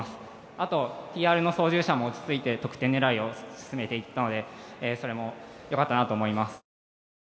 あとＴＲの操縦者も落ち着いて得点狙いを進めていったのでそれもよかったなと思います。